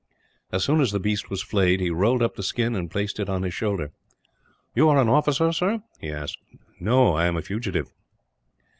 As soon as the beast was flayed, he rolled up the skin and placed it on his shoulder. "You are an officer, sir?" he asked. "No; I am a fugitive."